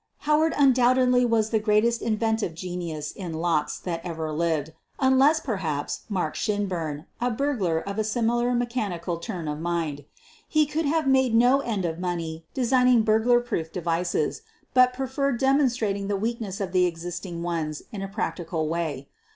Howard undoubtedly was the greatest inventive genius in locks that ever lived, unless, perhaps, Mark Shinburn, a burglar of a similar mechanical turn of mind. He could have made no end of money designing burglar proof devices, but preferred dem onstrating the weakness of the existing ones in a practical way.